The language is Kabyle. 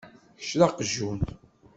Kečč d aqjun.